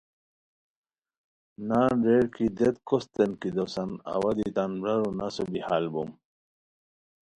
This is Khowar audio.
نان ریر کی، دیت کوستین کی دوسان، اوا دی تان برارو نسو بی حال بوم